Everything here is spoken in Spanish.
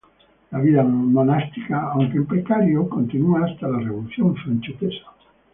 La vida monástica, aunque en precario, continúa hasta la Revolución francesa.